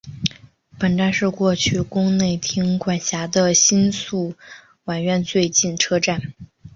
本站是过去宫内厅管辖的新宿御苑最近车站。